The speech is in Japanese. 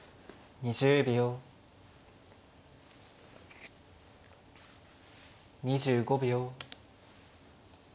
２５秒。